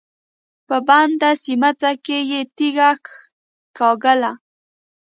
په بنده سمڅه کې يې تيږه کېکاږله.